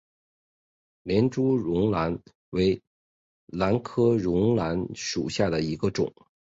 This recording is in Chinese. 连珠绒兰为兰科绒兰属下的一个种。